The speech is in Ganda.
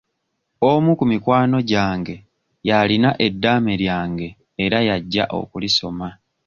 Omu ku mikwano gyange y'alina eddaame lyange era y'ajja okulisoma.